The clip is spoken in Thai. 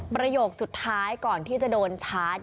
ประโยคสุดท้ายก่อนที่จะโดนชาร์จ